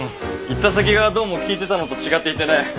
行った先がどうも聞いてたのと違っていてね